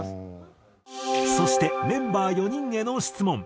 そしてメンバー４人への質問。